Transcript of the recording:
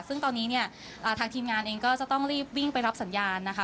ซึ่งตอนนี้เนี่ยทางทีมงานเองก็จะต้องรีบวิ่งไปรับสัญญาณนะคะ